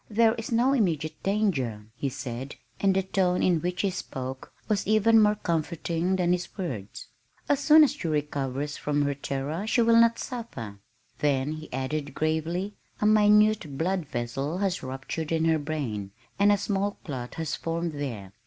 "There is no immediate danger," he said, and the tone in which he spoke was even more comforting than his words. "As soon as she recovers from her terror she will not suffer" then he added gravely, "A minute blood vessel has ruptured in her brain, and a small clot has formed there.